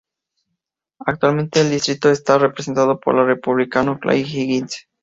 Actualmente el distrito está representado por el Republicano Clay Higgins.